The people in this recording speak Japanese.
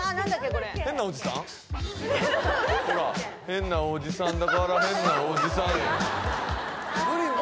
これほら「変なおじさんだから変なおじさん」